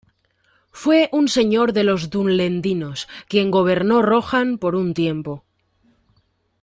Fue un señor de los dunlendinos, quien gobernó Rohan por un tiempo.